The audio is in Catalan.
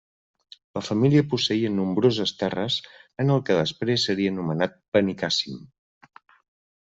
La família posseïa nombroses terres en el que després seria anomenat Benicàssim.